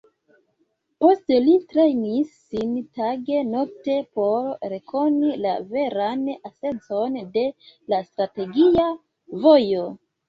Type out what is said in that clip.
Poste li trejnis sin tage-nokte por rekoni la veran esencon de la Strategia Vojo.